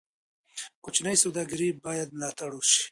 کوچني سوداګرۍ باید ملاتړ شي.